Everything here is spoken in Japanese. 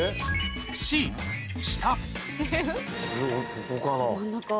ここかな。